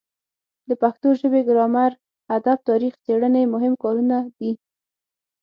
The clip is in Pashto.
د پښتو ژبې ګرامر ادب تاریخ څیړنې مهم کارونه دي.